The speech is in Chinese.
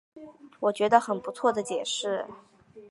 我觉得很不错的解释